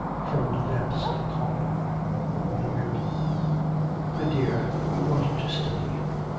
'From the depths of Comte,' thought Mildred. 'My dear, you wanted to study.'